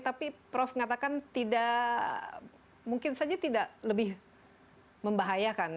tapi prof mengatakan tidak mungkin saja tidak lebih membahayakan